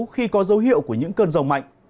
khi có dấu hiệu của những cơn dầu mạnh